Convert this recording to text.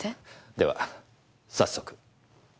では早速。